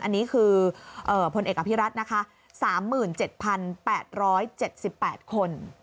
อันนี้คือพลเอกอภิรัตน์นะคะ๓๗๘๗๘คน